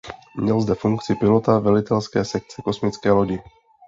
Měl zde funkci pilota velitelské sekce kosmické lodi.